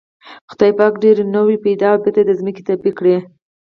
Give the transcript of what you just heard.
خدای پاک ډېر نوغې پيدا او بېرته د ځمکې تبی کړې.